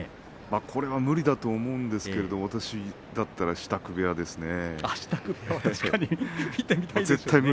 これは無理だと思うんですが私だったら支度部屋ですね。